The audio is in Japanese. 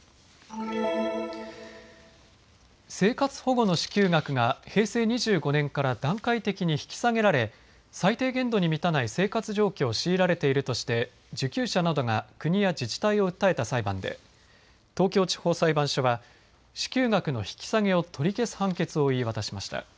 生活保護の支給額が平成２５年から段階的に引き下げられ最低限度に満たない生活状況を強いられているとして受給者などが国や自治体を訴えた裁判で東京地方裁判所は支給額の引き下げを取り消す判決を言い渡しました。